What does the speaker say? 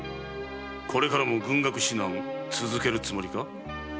これからも軍学指南を続けるつもりか？